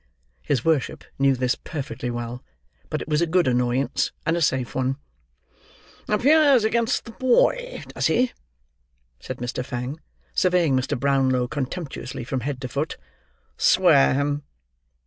His worship knew this perfectly well; but it was a good annoyance, and a safe one. "Appears against the boy, does he?" said Mr. Fang, surveying Mr. Brownlow contemptuously from head to foot. "Swear him!"